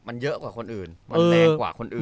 มันเยอะกว่าคนอื่นมันแรงกว่าคนอื่น